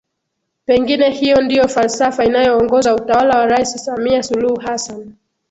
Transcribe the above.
Pengine hiyo ndiyo falsafa inayoongoza utawala wa Rais Samia Suluhu Hassan